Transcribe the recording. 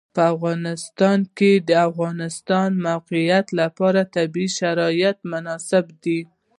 په افغانستان کې د د افغانستان د موقعیت لپاره طبیعي شرایط مناسب دي.